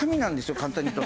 簡単に言うと。